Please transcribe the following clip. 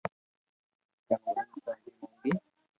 ڪنو ھيم چوندي مونگي